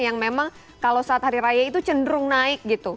yang memang kalau saat hari raya itu cenderung naik gitu